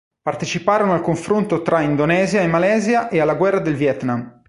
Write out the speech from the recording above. Parteciparono al confronto tra Indonesia e Malesia e alla guerra del Vietnam.